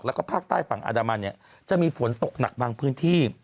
แล้วก็ภาคใต้ฝั่งอันดามันเนี่ยจะมีฝนตกหนักบางพื้นที่